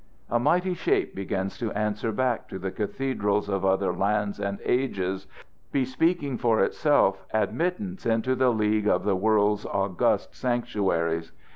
A mighty shape begins to answer back to the cathedrals of other lands and ages, bespeaking for itself admittance into the league of the world's august sanctuaries.